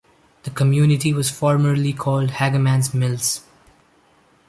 The community was formerly called Hagamans Mills.